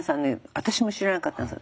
私も知らなかったんですが